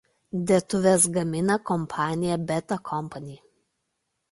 Dėtuves gamina kompanija "Beta Company".